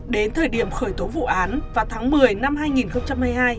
đến thời điểm khởi tố vụ án vào tháng một mươi năm hai nghìn hai mươi hai